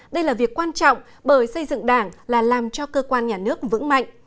đây là việc quan trọng bởi xây dựng đảng là làm cho cơ quan nhà nước vững mạnh